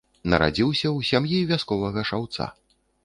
Нарадзіўся ў сям'і вясковага шаўца.